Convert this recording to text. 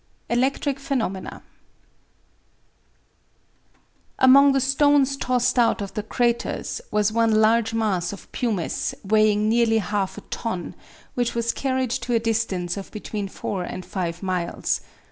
ELECTRIC PHENOMENA Among the stones tossed out of the craters was one large mass of pumice weighing nearly half a ton, which was carried to a distance of between four and five miles.